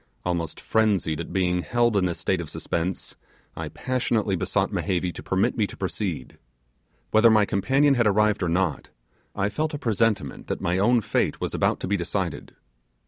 Almost frenzied at being held in this state of suspense, I passionately besought Mehevi to permit me to proceed. Whether my companion had arrived or not, I felt a presentiment that my own fate was about to be decided.